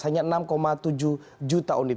hanya enam tujuh juta unit